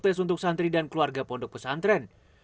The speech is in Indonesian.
tes untuk santri dan keluarga pondok pesantren